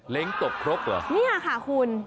้งตบครบเหรอเนี่ยค่ะคุณ